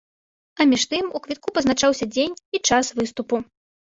А між тым у квітку пазначаўся дзень і час выступу.